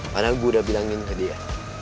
padahal gue udah bilangin ke dia